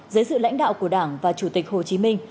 dưới sự lãnh đạo của đảng và chủ tịch hồ chí minh